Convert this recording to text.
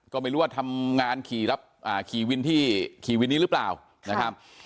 ก็ไม่รู้ว่าทำงานขี่วินที่ขี่วินนี้หรือเปล่านะครับ